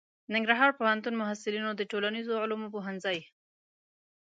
ننګرهار پوهنتون محصلینو د ټولنیزو علومو پوهنځي